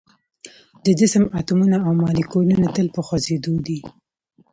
د جسم اتومونه او مالیکولونه تل په خوځیدو دي.